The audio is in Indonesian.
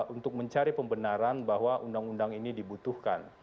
untuk mencari pembenaran bahwa undang undang ini dibutuhkan